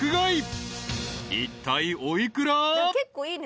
［いったいお幾ら？］